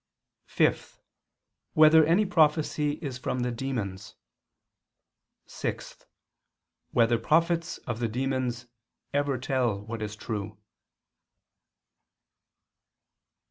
(5) Whether any prophecy is from the demons? (6) Whether prophets of the demons ever tell what is true?